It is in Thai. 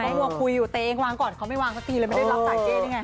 กลัวคุยอยู่ตัวเองวางก่อนเขาไม่วางสักทีเลยไม่ได้รับสายเก้นี่ไง